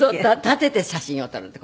立てて写真を撮るって。